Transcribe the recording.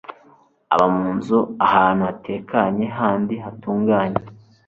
aba mu nzu ahantu hatekanye kandi hatunganye